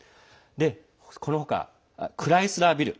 この他、クライスラービル。